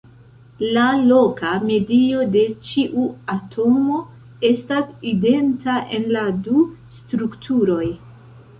La loka medio de ĉiu atomo estas identa en la du strukturoj.